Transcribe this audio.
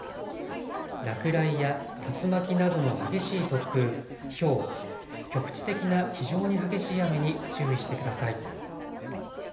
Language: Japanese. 落雷や竜巻などの激しい突風、ひょう、局地的な非常に激しい雨に注意してください。